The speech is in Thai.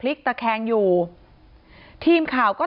ที่มีข่าวเรื่องน้องหายตัว